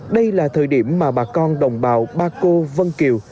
đây là thời điểm mà bà con đồng bào ba cô vân kiều